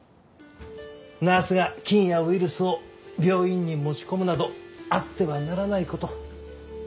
ナースが菌やウイルスを病院に持ち込むなどあってはならない事。